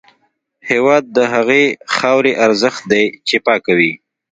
هېواد د هغې خاورې ارزښت دی چې پاکه وي.